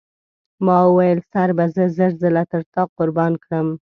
ما وویل سر به زه زر ځله تر تا قربان کړم.